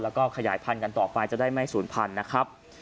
แล้วก็ขยายพันธุ์กันต่อไปจะได้ไม่ศูนย์พันธุ์นะครับ